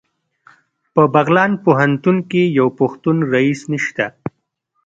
په بغلان پوهنتون کې یو پښتون رییس نشته